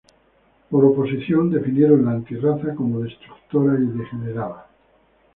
Por oposición, definieron la "anti-raza" como destructora y degenerada.